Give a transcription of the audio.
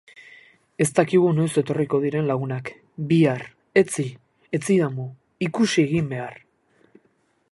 Ez dakigu noiz etorriko diren lagunak! Bihar, etzi, etzidamu... ikusi egin behar!